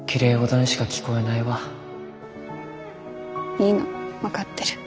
いいの分かってる。